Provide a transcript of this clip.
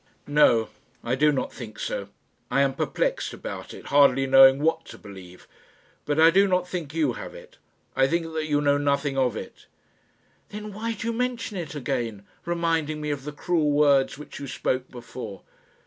"No; I do not think so; I am perplexed about it, hardly knowing what to believe; but I do not think you have it; I think that you know nothing of it." "Then why do you mention it again, reminding me of the cruel words which you spoke before?"